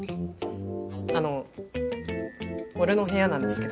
あの俺の部屋なんですけど。